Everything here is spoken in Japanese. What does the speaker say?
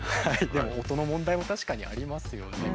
でも音の問題も確かにありますよね。